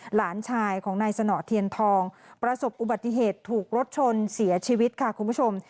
หลานชายของนายสนอเทียนทองประสบอุบัติเหตุถูกรถชนเสียชีวิตค่ะคุณผู้ชม